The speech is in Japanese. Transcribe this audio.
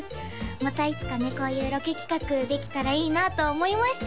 またいつかねこういうロケ企画できたらいいなと思いました